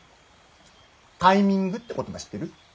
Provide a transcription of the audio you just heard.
タイミングって言葉知ってる？